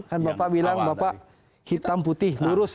kan bapak bilang bapak hitam putih lurus